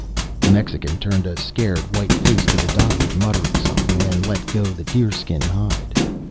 The Mexican turned a scared, white face to the Doctor, muttering something, and let go the deer skin hide.